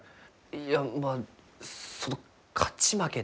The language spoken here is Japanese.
いやまあその勝ち負けでは。